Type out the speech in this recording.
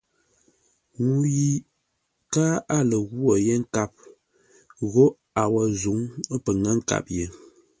Ŋuu yi káa a lə ghwô yé nkâp ghó a wǒ zǔŋ, pə ŋə́ nkâp ye.